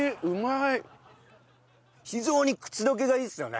非常に口溶けがいいっすよね。